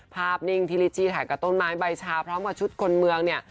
นิ่งที่ลิจี้ถ่ายกับต้นไม้ใบชาพร้อมกับชุดคนเมืองเนี่ย